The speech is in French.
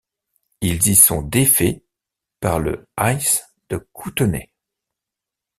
Ils y sont défaits par le Ice de Kootenay.